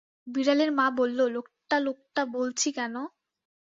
বিড়ালের মা বলল, লোকটা-লোকটা বলছি কেন?